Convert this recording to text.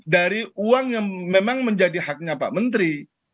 dari uang yang memang menjadi haknya pak menteri